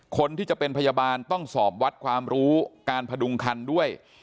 คนที่จะเป็นพยาบาลต้องสอบวัดความรู้การพดุงคันด้วย